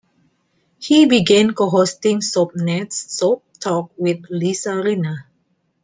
He began co-hosting Soapnet's "Soap Talk" with Lisa Rinna.